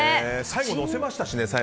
最後、のせましたしね。